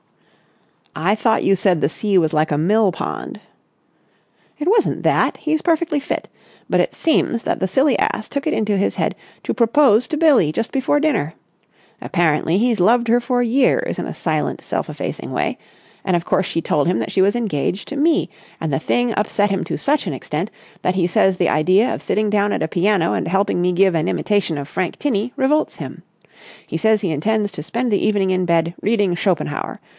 "I thought you said the sea was like a mill pond." "It wasn't that! He's perfectly fit. But it seems that the silly ass took it into his head to propose to Billie just before dinner—apparently he's loved her for years in a silent, self effacing way—and of course she told him that she was engaged to me, and the thing upset him to such an extent that he says the idea of sitting down at a piano and helping me give an imitation of Frank Tinney revolts him. He says he intends to spend the evening in bed, reading Schopenhauer.